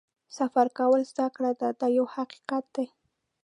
سفر کول زده کړه ده دا یو حقیقت دی.